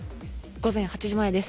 午前８時前です。